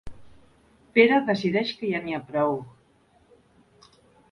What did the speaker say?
Pere decideix que ja n'hi ha prou.